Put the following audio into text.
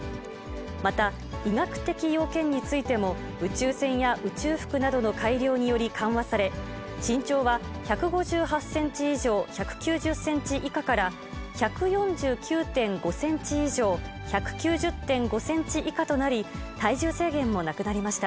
また、医学的要件についても、宇宙船や宇宙服などの改良により緩和され、身長は１５８センチ以上１９０センチ以下から、１４９．５センチ以上、１９０．５センチ以下となり、体重制限もなくなりました。